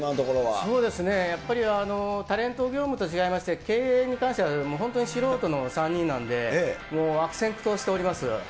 そうですね、やっぱりタレント業務と違いまして、経営に関してはもう本当に素人の３人なんで、もう悪戦苦闘しております。